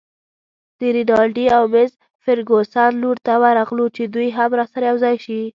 د رینالډي او مس فرګوسن لور ته ورغلو چې دوی هم راسره یوځای شي.